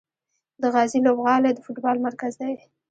د غازي لوبغالی د فوټبال مرکز دی.